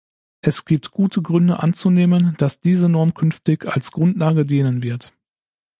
Es gibt gute Gründe anzunehmen, dass diese Norm künftig als Grundlage dienen wird.